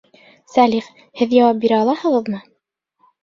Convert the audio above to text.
Сәлих, һеҙ яуап бирә алаһығыҙмы?